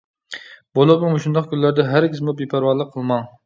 بولۇپمۇ مۇشۇنداق كۈنلەردە ھەرگىزمۇ بىپەرۋالىق قىلماڭ.